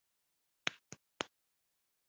زه به بيا په ژوندوني خپله ادې ووينم.